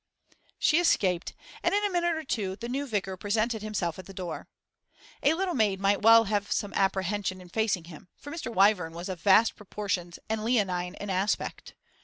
She escaped, and in a minute or two the new vicar presented himself at the door. A little maid might well have some apprehension in facing him, for Mr. Wyvern was of vast proportions and leonine in aspect.